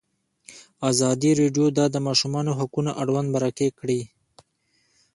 ازادي راډیو د د ماشومانو حقونه اړوند مرکې کړي.